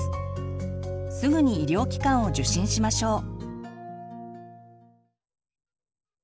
すぐに医療機関を受診しましょう。